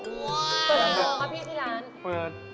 ปลืมออกมาที่ร้าน